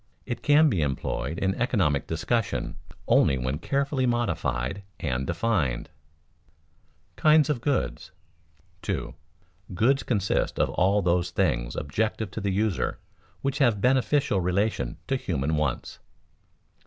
It can be employed in economic discussion only when carefully modified and defined. [Sidenote: Kinds of goods] 2. _Goods consist of all those things objective to the user which have a beneficial relation to human wants.